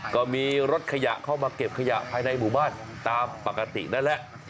ก็มีรถขยะเข้ามาเก็บขยะภายในหมู่บ้านตามปกตินั่นแหละ